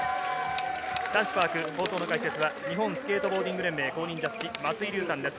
男子パーク放送の解説は日本スケートボーディング連盟公認ジャッジ、松井立さんです。